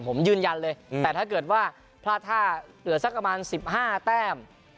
ผมยืนยันเลยแต่ถ้าเกิดว่าพลาดท่าเหลือสักประมาณ๑๕แต้ม